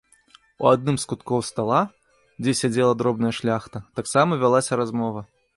У адным з куткоў стала, дзе сядзела дробная шляхта, таксама вялася размова.